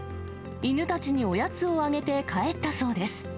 犬たちにおやつをあげて帰ったそうです。